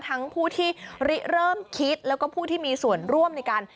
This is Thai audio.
ผู้ที่เริ่มคิดแล้วก็ผู้ที่มีส่วนร่วมในการ